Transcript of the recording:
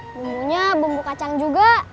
bumbunya bumbu kacang juga